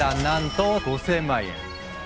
なんと５，０００万円。